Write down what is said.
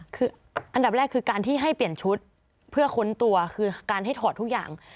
คืออันดับแรกคือการที่ให้เปลี่ยนชุดเพื่อค้นตัวคือการให้ถอดทุกอย่าง